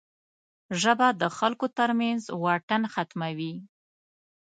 ژبه د خلکو ترمنځ واټن ختموي